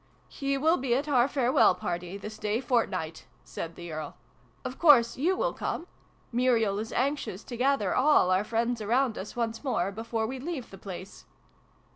" He will be at our farewell party, this day fortnight," said the Earl. " Of course you will come ? Muriel is anxious to gather all our friends around us once more, before we leave the place."